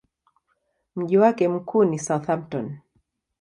Mji wake mkuu ni Southampton.